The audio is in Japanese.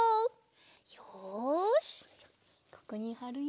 よしここにはるよ。